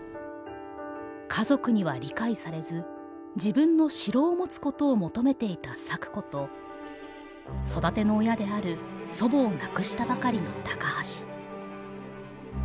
家族には理解されず自分の城を持つことを求めていた咲子と育ての親である祖母を亡くしたばかりの高橋。